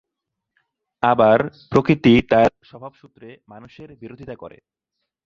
আবার, প্রকৃতি তার স্বভাব সূত্রে মানুষের বিরোধিতা করে।